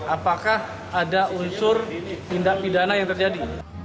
apakah ada unsur tindak pidana yang terjadi